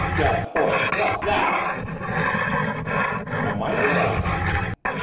Jehoram! what's that?' I might well ask.